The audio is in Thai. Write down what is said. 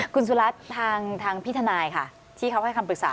คุณสุรัตน์ทางพี่ทนายค่ะที่เขาให้คำปรึกษา